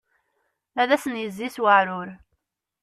Ad sen-yezzi s uεrur.